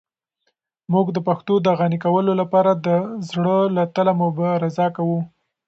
موږ د پښتو د غني کولو لپاره د زړه له تله مبارزه کوو.